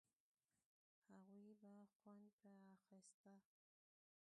هغوی به خوند پر اخيسته.